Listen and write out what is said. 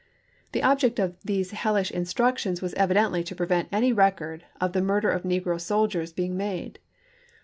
The object of these hellish instructions was evidently to prevent any record of the murder of negro soldiers being made.